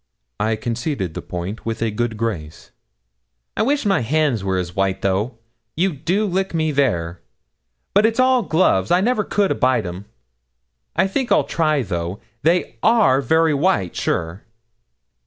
I conceded the point with a good grace. 'I wish my hands was as white though you do lick me there; but it's all gloves, and I never could abide 'em. I think I'll try though they are very white, sure.'